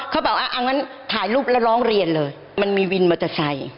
เขาบอกว่าเอางั้นถ่ายรูปแล้วร้องเรียนเลยมันมีวินมอเตอร์ไซค์